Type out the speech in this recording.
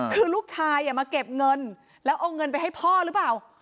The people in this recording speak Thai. คือลูกชายมาเก็บเงินแล้วเอาเงินไปให้พ่อหรือเปล่า